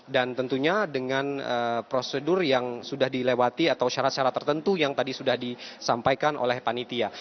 dan tentunya dengan prosedur yang sudah dilewati atau syarat syarat tertentu yang tadi sudah disampaikan oleh panitia